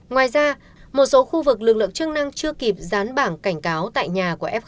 ngoài ra một số khu vực lực lượng chức năng chưa kịp dán bảng cảnh cáo tại nhà của f hai